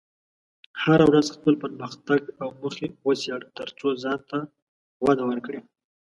هره ورځ خپل پرمختګ او موخې وڅېړه، ترڅو ځان ته وده ورکړې.